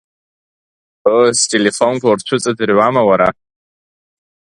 Ыы, стелефонқәа урцәыҵаӡырҩуама уара?